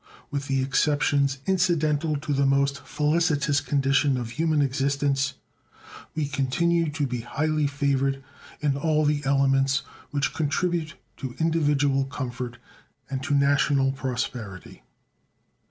With the exceptions incidental to the most felicitous condition of human existence, we continue to be highly favored in all the elements which contribute to individual comfort and to national prosperity.